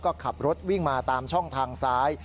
ก็ขับรถวิ่งมาตามช่องทางซ้าย